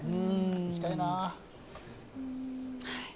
行きたいな。